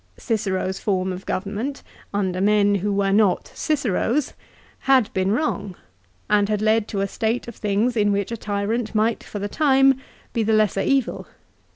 Cicero's form of government, under men who were not Ciceros, had been wrong, and had led to a state of things in which a tyrant might for the time be the lesser evil.